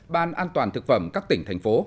ban an toàn thực phẩm các tỉnh thành phố